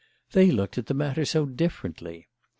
They looked at the matter so differently!